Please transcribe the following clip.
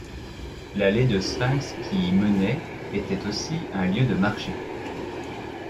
L'allée de Sphinx qui y menait était aussi un lieu de marché.